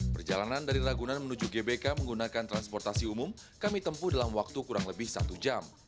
perjalanan dari ragunan menuju gbk menggunakan transportasi umum kami tempuh dalam waktu kurang lebih satu jam